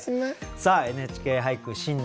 さあ「ＮＨＫ俳句」新年